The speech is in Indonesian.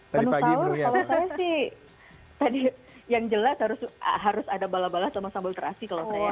menu sahur kalau saya sih tadi yang jelas harus ada bala bala sama sambal terasi kalau saya